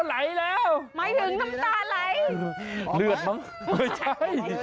หมายถึงน้ำตาไหล